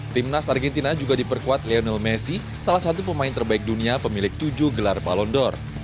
timnas argentina juga diperkuat lionel messi salah satu pemain terbaik dunia pemilik tujuh gelar palondor